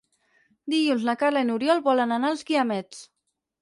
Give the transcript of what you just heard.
Dilluns na Carla i n'Oriol volen anar als Guiamets.